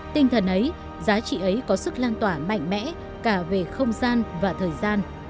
tinh thần ấy giá trị ấy có sức lan tỏa mạnh mẽ cả về không gian và thời gian